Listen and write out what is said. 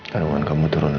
kandungan kamu turun lagi